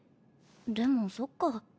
でもそっか。